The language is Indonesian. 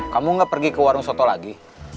kamu gak pergi ke warung soto lagi